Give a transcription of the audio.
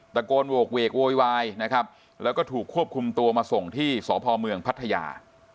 ตะโกนโหกเวกโวยวายนะครับแล้วก็ถูกควบคุมตัวมาส่งที่สพเมืองพัทยา